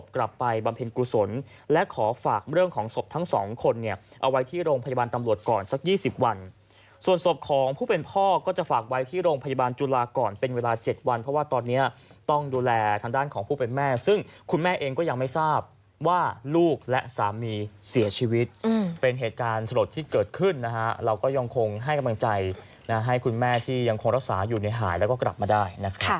ก่อนสัก๒๐วันส่วนสบของผู้เป็นพ่อก็จะฝากไว้ที่โรงพยาบาลจุลาก่อนเป็นเวลา๗วันเพราะว่าตอนนี้ต้องดูแลทางด้านของผู้เป็นแม่ซึ่งคุณแม่เองก็ยังไม่ทราบว่าลูกและสามีเสียชีวิตเป็นเหตุการณ์สลดที่เกิดขึ้นนะฮะเราก็ยังคงให้กำลังใจนะให้คุณแม่ที่ยังคงรักษาอยู่ในหายแล้วก็กลับมาได้